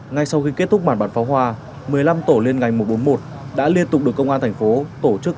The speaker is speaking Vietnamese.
ngay sau khi kết thúc bản bản pháo hoa một mươi năm tổ liên ngành một trăm bốn mươi một đã liên tục được công an thành phố tổ chức